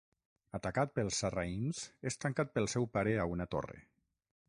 Atacat pels sarraïns, és tancat pel seu pare a una torre.